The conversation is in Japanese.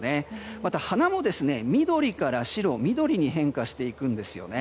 また花も緑から白、緑に変化していくんですね。